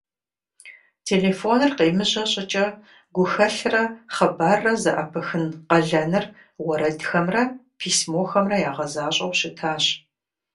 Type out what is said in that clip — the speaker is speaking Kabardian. Телефоныр къемыжьэ щӀыкӀэ, гухэлърэ хъыбаррэ зэӀэпыхын къалэныр уэрэдхэмрэ письмохэмрэ ягъэзащӀэу щытащ.